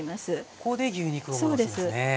ここで牛肉を戻すんですね。